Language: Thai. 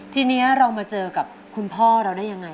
ทีนี้เรามาเจอกับคุณพ่อเราได้ยังไง